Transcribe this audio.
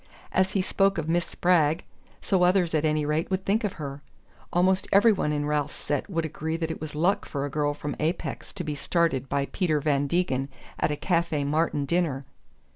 As he spoke of Miss Spragg, so others at any rate would think of her: almost every one in Ralph's set would agree that it was luck for a girl from Apex to be started by Peter Van Degen at a Café Martin dinner...